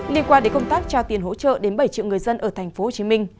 liên quan đến công tác trao tiền hỗ trợ đến bảy triệu người dân ở tp hcm